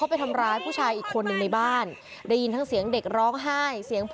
เอาต้ำรวจมาเลยมาเลยบอกตำรวจเลย